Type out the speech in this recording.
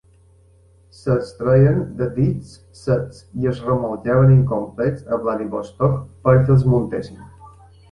S'extreien de dics secs i es remolcaven incomplets a Vladivostok perquè els muntessin.